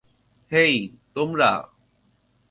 হেই, তোমরা।